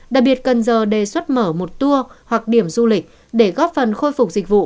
đặc biệt cần giờ đề xuất mở một tour hoặc điểm du lịch để góp phần khôi phục dịch vụ